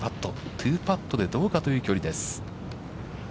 ２パットでどうかという距離です。